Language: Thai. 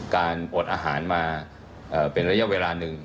อดอาหารมาเป็นระยะเวลาหนึ่ง